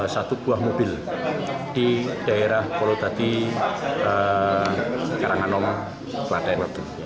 satu buah mobil di daerah polo dadi karang anom kelaten